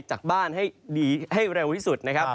ตัดบ้านให้เร็วที่สุดนะครับ